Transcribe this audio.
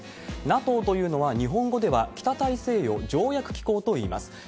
ＮＡＴＯというのは日本語では、北大西洋条約機構といいます。